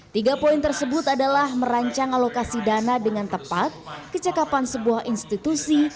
tiga poin tersebut adalah merancang alokasi dana dengan tepat kecakapan sebuah institusi